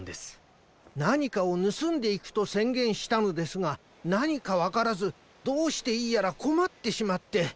なにかをぬすんでいくとせんげんしたのですがなにかわからずどうしていいやらこまってしまって。